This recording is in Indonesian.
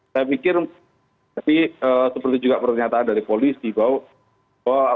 saya pikir seperti juga pernyataan dari polisi bahwa